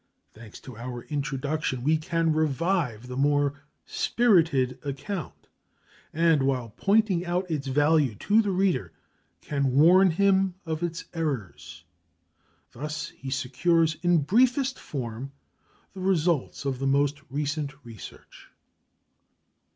Thanks to our introduction we can revive the more spirited account, and, while pointing out its value to the reader, can warn him of its errors. Thus he secures in briefest form the results of the most recent research.